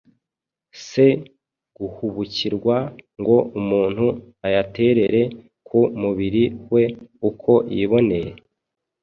se guhubukirwa ngo umuntu ayaterere ku mubiri we uko yiboneye.”